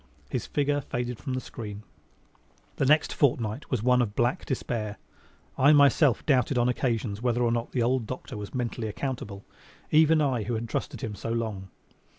His figure faded from the screen. The next fortnight was one of black despair. I myself doubted on occasions whether or not the old doctor was mentally accountable even I who had trusted him so long.